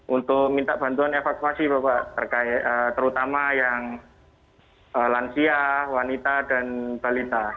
untuk minta bantuan evakuasi bapak terutama yang lansia wanita dan balita